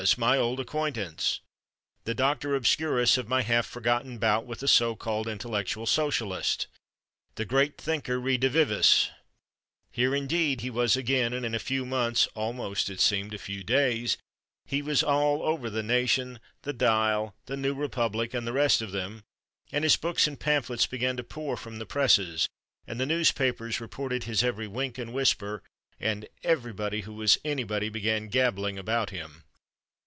My old acquaintance! The Doctor obscurus of my half forgotten bout with the so called intellectual Socialist! The Great Thinker redivivus! Here, indeed, he was again, and in a few months—almost it seemed a few days—he was all over the Nation, the Dial, the New Republic and the rest of them, and his books and pamphlets began to pour from the presses, and the newspapers reported his every wink and whisper, and everybody who was anybody began gabbling about him.